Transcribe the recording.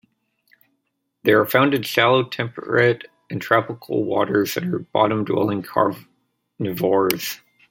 They are found in shallow temperate and tropical waters and are bottom-dwelling carnivores.